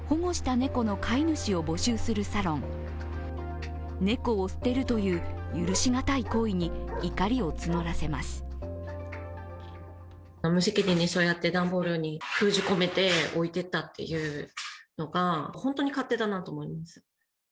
猫を捨てるという許しがたい行為に、怒りを募らせます。